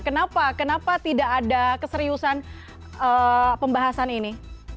kenapa kenapa tidak ada keseriusan pembahasan ini